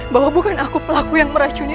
bahwa bukan aku pelaku yang meracunya